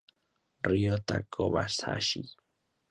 Ryota Kobayashi